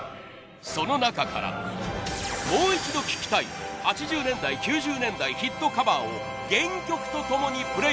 その中からもう一度聴きたい８０年代９０年代ヒットカバーを原曲とともにプレーバック。